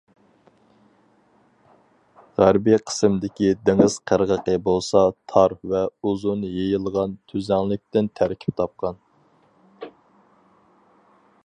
غەربىي قىسىمدىكى دېڭىز قىرغىقى بولسا تار ۋە ئۇزۇن يېيىلغان تۈزلەڭلىكتىن تەركىب تاپقان.